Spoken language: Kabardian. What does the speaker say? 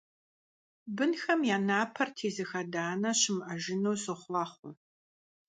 Бынхэм я напэр тезых адэ-анэ щымыӀэжыну сохъуахъуэ!